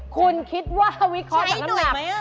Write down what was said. คุณคิดว่าวิเคราะห์จากน้ำหนัก